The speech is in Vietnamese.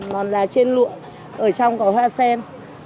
nón lá trên lụa ở trong có hoa sen